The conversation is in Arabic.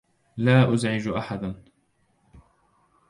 لا أزعج أحداً.